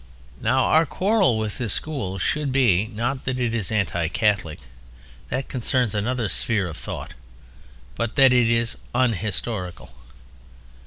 Now our quarrel with this school should be, not that it is anti Catholic—that concerns another sphere of thought—but that it is unhistorical.